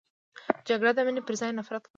جګړه د مینې پر ځای نفرت خپروي